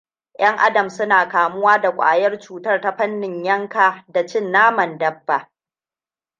Yan-Adam suna kamuwa da kwayar cutar ta fannin yanka da cin naman dabba.